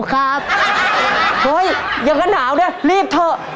ครับเฮ้ยอย่างนั้นหนาวด้วยรีบเถอะ